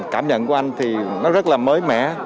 cảm nhận của anh thì nó rất là mới mẻ